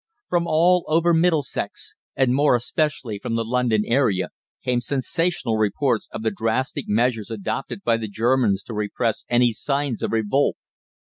From all over Middlesex, and more especially from the London area, came sensational reports of the drastic measures adopted by the Germans to repress any sign of revolt.